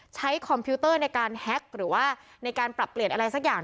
คอมพิวเตอร์ในการแฮ็กหรือว่าในการปรับเปลี่ยนอะไรสักอย่าง